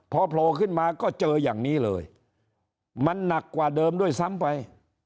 พอโผล่ขึ้นมาก็เจออย่างนี้เลยมันหนักกว่าเดิมด้วยซ้ำไป